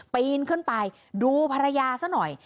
ปีนขึ้นไปดูภรรยาซะหน่อย